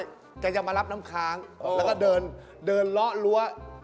ก็เช้ากายจะมารับน้ำค้างแล้วก็เดินเลาะลั้ว